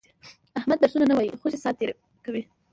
احمد درسونه نه وایي، خوشې ساتېري کوي.